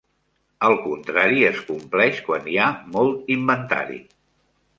El contrari es compleix quan hi ha molt inventari.